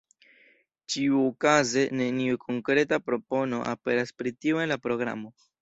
Ĉiuokaze neniu konkreta propono aperas pri tio en la programo.